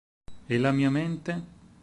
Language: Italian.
E la mia mente?